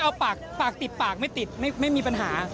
เอาปากปากติดปากไม่ติดไม่มีปัญหา